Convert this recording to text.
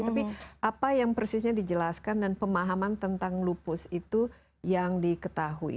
tapi apa yang persisnya dijelaskan dan pemahaman tentang lupus itu yang diketahui